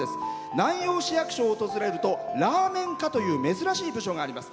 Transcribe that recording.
南陽市役所を訪れるとラーメン課という珍しい部署があります。